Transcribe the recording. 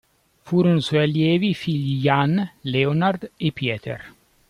Furono suoi allievi i figli Jan, Leonard e Pieter.